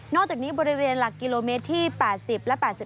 อกจากนี้บริเวณหลักกิโลเมตรที่๘๐และ๘๔